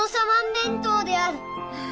弁当である！